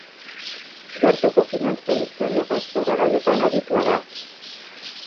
Gertuko finantza-historia eta zorra gaietan aditua da.